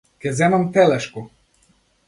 Ќе земам телешко.